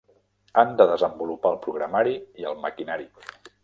Han de desenvolupar el programari i el maquinari.